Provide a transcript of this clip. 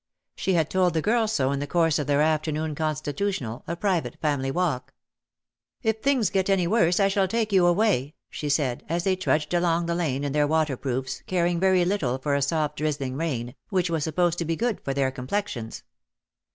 She had told the girls so in the course of their afternoon constitutional, a private family walk. ^' If things get any worse I shall take you away,^^ she said, as they trudged along the lane in their CROWNED WITH SNAKES." 187 waterproofs, caring very little for a soft drizzling rain, which was supposed to be good for their com plexions.